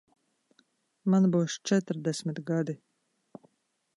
Man būs četrdesmit gadi.